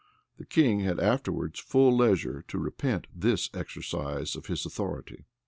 The king had afterwards full leisure to repent this exercise of his authority.